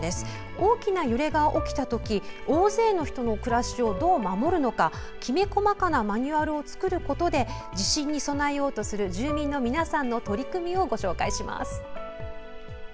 大きな揺れが起こったとき大勢の人の暮らしをどう守るのかきめ細かなマニュアルを作ることで地震に備えようとする住民の皆さんを取材しました。